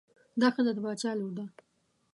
دا ښځه د باچا لور ده.